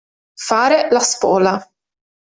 Fare la spola.